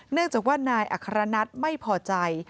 เนื่องจากว่านายอัครนัทไม่พอใจ